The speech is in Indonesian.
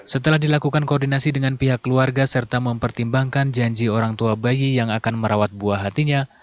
setelah dilakukan koordinasi dengan pihak keluarga serta mempertimbangkan janji orang tua bayi yang akan merawat buah hatinya